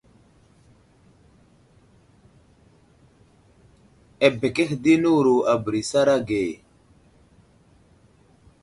Abekehe di newuro a bəra isaray ge .